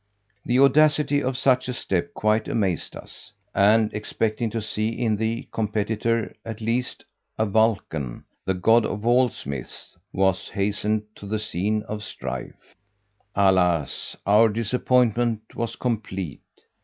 The audacity of such a step quite amazed us; and expecting to see in the competitor at least a Vulcan, the God of all Smiths, was hastened to the scene of strife. Alas, our disappointment was complete!